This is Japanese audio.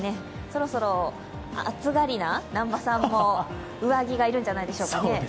そろそろ暑がりな南波さんも上着が要るんじゃないでしょうかね。